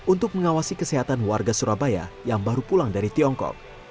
untuk mengawasi kesehatan warga surabaya yang baru pulang dari tiongkok